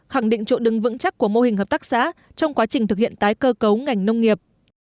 khẳng định chỗ đứng vững chắc của mô hình hợp tác xã trong quá trình thực hiện tái cơ cấu ngành nông nghiệp